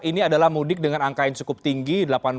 ini adalah mudik dengan angka yang cukup tinggi